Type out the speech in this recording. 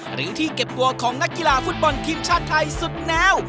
หรือที่เก็บตัวของนักกีฬาฟุตบอลทีมชาติไทยสุดแนว